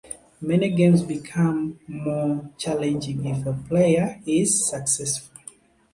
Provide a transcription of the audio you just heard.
Many games become more challenging if the player is successful.